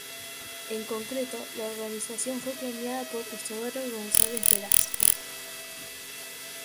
En concreto, la urbanización fue planeada por Isidoro González Velázquez.